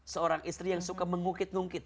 seorang istri yang suka mengukit ngungkit